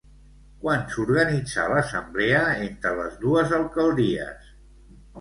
Quan s'organitzà l'assemblea entre les dues alcaldies?